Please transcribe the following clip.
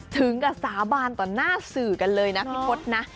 ถึงกับสาบานต่อหน้าสื่อกันเลยนะพี่พศนะ